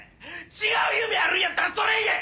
違う夢あるんやったらそれ言え！